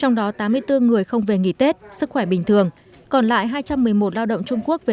trong đó tám mươi bốn người không về nghỉ tết sức khỏe bình thường còn lại hai trăm một mươi một lao động trung quốc về